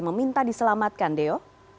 meminta diselamatkan deo